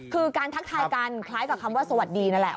คือการทักทายกันคล้ายกับคำว่าสวัสดีนั่นแหละ